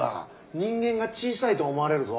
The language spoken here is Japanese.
人間が小さいと思われるぞ。